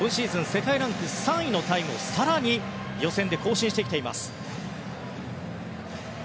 世界ランク３位のタイムを更に予選で更新してきています。